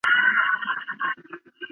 后来陆续改编成漫画和小说。